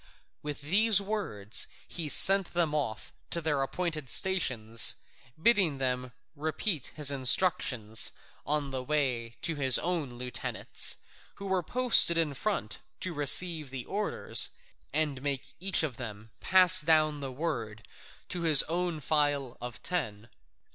With these words he sent them off to their appointed stations, bidding them repeat his instructions on the way to their own lieutenants, who were posted in front to receive the orders, and make each of them pass down the word to his own file of ten.